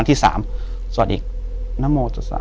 อยู่ที่แม่ศรีวิรัยิลครับ